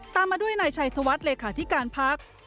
มาด้วยนายชัยธวัฒน์เลขาธิการพัก